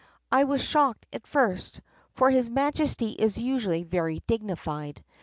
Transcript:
I was shocked at first, for his Majesty is usually very dignified.